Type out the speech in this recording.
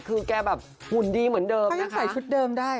คือแกแบบหุ่นดีเหมือนเดิมยังใส่ชุดเดิมได้